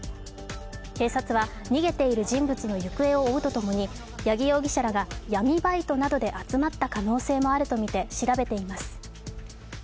警察は逃げている人物の行方を追うとともに八木容疑者らが闇バイトなどで集まった可能性もあるとみて調べています。